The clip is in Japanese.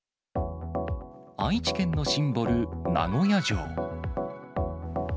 愛知県のシンボル、名古屋城。